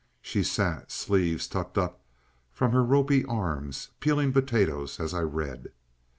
She sat, sleeves tucked up from her ropy arms, peeling potatoes as I read.